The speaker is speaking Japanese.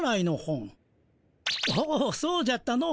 おおそうじゃったの。